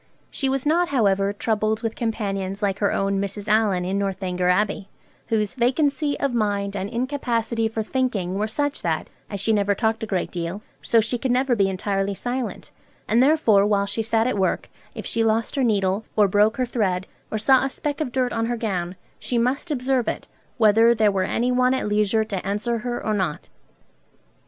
She was not, however, troubled with companions like her own Mrs. Allen in 'Northanger Abbey,' whose 'vacancy of mind and incapacity for thinking were such that, as she never talked a great deal, so she could never be entirely silent; and therefore, while she sat at work, if she lost her needle, or broke her thread, or saw a speck of dirt on her gown, she must observe it, whether there were any one at leisure to answer her or not.'